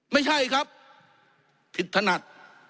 ไม่ใช่ครับผิดถนัด